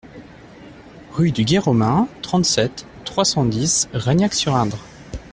Rue du Gué Romain, trente-sept, trois cent dix Reignac-sur-Indre